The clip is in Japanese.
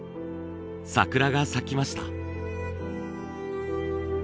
桜が咲きました。